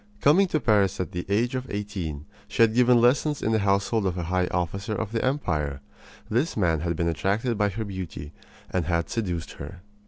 Coming to Paris at the age of eighteen, she had given lessons in the household of a high officer of the empire. This man had been attracted by her beauty, and had seduced her.